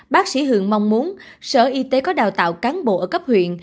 bác sĩ hường mong muốn sở y tế có đào tạo cán bộ ở cấp huyện